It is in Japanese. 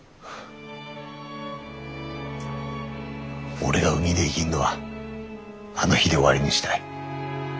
俺が海で生ぎんのはあの日で終わりにしたい。